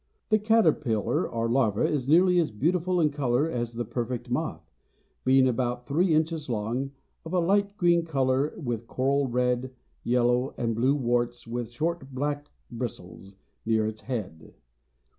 The caterpillar or larva is nearly as beautiful in color as the perfect moth, being about three inches long, of a light green color with coral red, yellow and blue warts with short black bristles near its head.